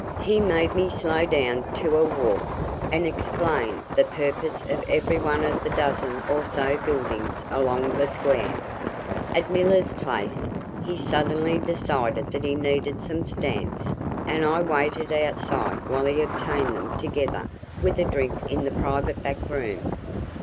He made me slow down to a walk and explain the purpose of everyone of the dozen or so buildings along the square. At "Miller's place" he suddenly decided that he needed some stamps and I waited outside while he obtained them together with a drink in the private back room.